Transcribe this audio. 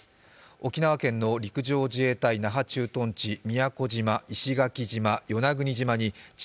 沖縄県の陸上自衛隊那覇駐屯地、宮古島、石垣島、与那国島に地